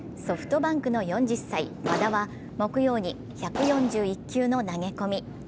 ソフトバンクの４０歳、和田は木曜に１４１球の投げ込み。